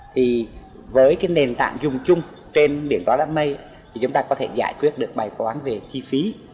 thì với cái nền tảng dùng chung trên điện thoại đám mây thì chúng ta có thể giải quyết được bài toán về chi phí